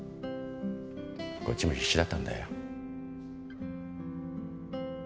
こっちも必死だったんだよ。